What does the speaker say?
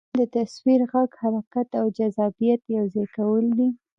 فلم د تصویر، غږ، حرکت او جذابیت یو ځای کول دي